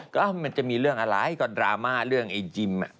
ก็มันจะมีเรื่องอะไรก็ดราม่าเรื่องไอ้จิม